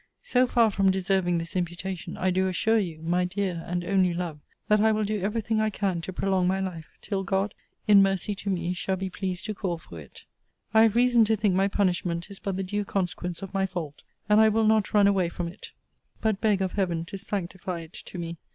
So far from deserving this imputation, I do assure you, (my dear and only love,) that I will do every thing I can to prolong my life, till God, in mercy to me, shall be pleased to call for it. I have reason to think my punishment is but the due consequence of my fault, and I will not run away from it; but beg of Heaven to sanctify it to me.